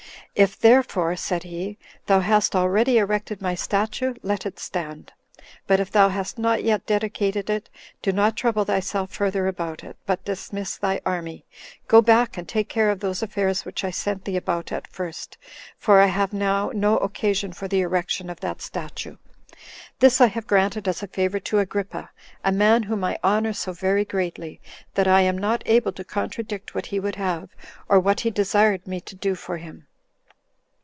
"If therefore," said' he, "thou hast already erected my statue, let it stand; but if thou hast not yet dedicated it, do not trouble thyself further about it, but dismiss thy army, go back, and take care of those affairs which I sent thee about at first, for I have now no occasion for the erection of that statue. This I have granted as a favor to Agrippa, a man whom I honor so very greatly, that I am not able to contradict what he would have, or what he desired me to do for him."